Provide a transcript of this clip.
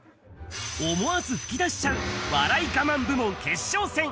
思わず噴き出しちゃう、笑い我慢部門決勝戦。